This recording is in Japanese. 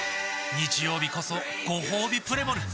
日曜日こそごほうびプレモル！